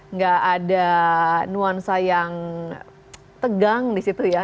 nggak ada nuansa yang tegang di situ ya